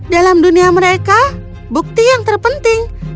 dalam dunia mereka bukti yang terpenting